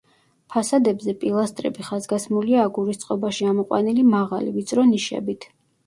ფასადებზე პილასტრები ხაზგასმულია აგურის წყობაში ამოყვანილი მაღალი, ვიწრო ნიშებით.